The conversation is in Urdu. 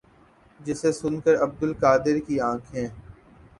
جسے سن کر عبدالقادر کی انکھیں